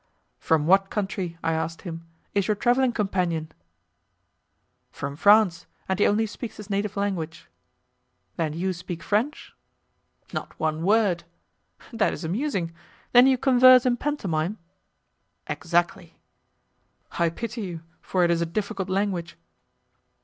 "From what country," I asked him, "is your travelling companion?" "From France, and he only speaks his native language." "Then you speak French?" "Not one word." "That is amusing! Then you converse in pantomime?" "Exactly." "I pity you, for it is a difficult language."